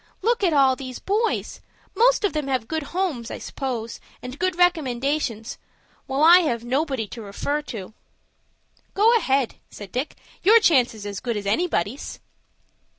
"Look at all these boys. Most of them have good homes, I suppose, and good recommendations, while I have nobody to refer to." "Go ahead," said Dick. "Your chance is as good as anybody's."